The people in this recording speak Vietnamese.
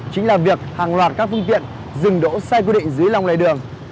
chính là việc hàng loạt các phương tiện dừng đỗ sai quy định dưới lòng lề đường